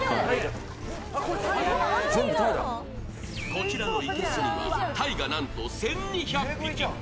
こちらの生けすにはたいがなんと１２００匹。